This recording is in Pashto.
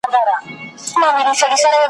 څوک به تودې کړي سړې جونګړي ,